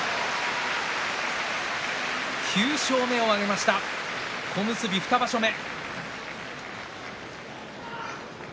９勝目を挙げました小結２場所目。